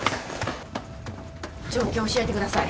状況を教えてください。